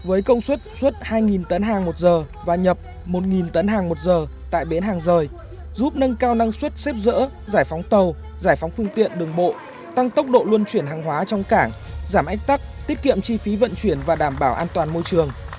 với công suất suất hai tấn hàng một giờ và nhập một tấn hàng một giờ tại bến hàng rời giúp nâng cao năng suất xếp rỡ giải phóng tàu giải phóng phương tiện đường bộ tăng tốc độ luân chuyển hàng hóa trong cảng giảm ách tắc tiết kiệm chi phí vận chuyển và đảm bảo an toàn môi trường